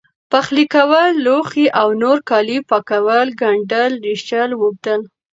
پخلی کول لوښي او نور کالي پاکول، ګنډل، رېشل، ووبدل،